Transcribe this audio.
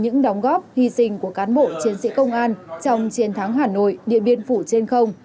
những đóng góp hy sinh của cán bộ chiến sĩ công an trong chiến thắng hà nội điện biên phủ trên không